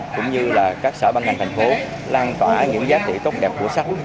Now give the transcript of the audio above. cũng như là các sở ban ngành thành phố lan tỏa những giá trị tốt đẹp của sách